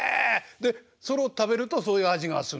でそれを食べるとそういう味がする？